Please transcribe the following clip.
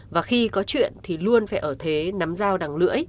và khi có chuyện thì luôn phải ở thế nắm giá